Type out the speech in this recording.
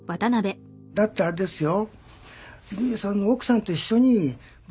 だってあれですよ